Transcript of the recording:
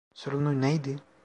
Sorunu neydi?